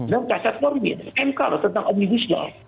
dan ksat pemerintah mengingatkan omnibus law